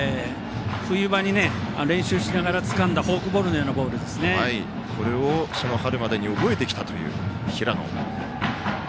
冬場に、練習しながらつかんだフォークボールのような春までに覚えてきたという平野。